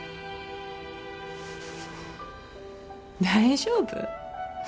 大丈夫。